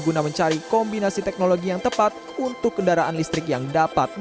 guna mencari kombinasi teknologi yang tepat untuk kendaraan listrik yang dapat